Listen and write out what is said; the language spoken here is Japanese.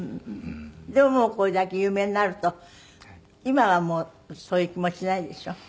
でももうこれだけ有名になると今はもうそういう気持ちないでしょ？